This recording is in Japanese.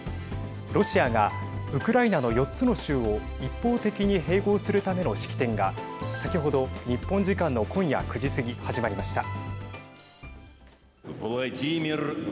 ロシアがウクライナの４つの州を一方的に併合するための式典が先ほど、日本時間の今夜９時過ぎ、始まりました。